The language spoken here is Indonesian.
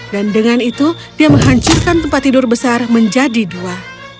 dan dengan itu dia menghancurkan tempat tidur besar menjadi dua